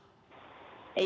seperti apapun kondisinya